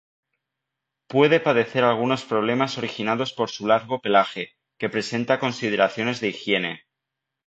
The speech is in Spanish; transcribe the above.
Puede padecer algunos problemas originados por su largo pelaje, que presenta consideraciones de higiene.